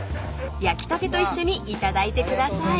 ［焼きたてと一緒に頂いてください］